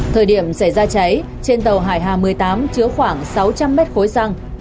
thời điểm xảy ra cháy trên tàu hải hà một mươi tám chứa khoảng sáu trăm linh mét khối răng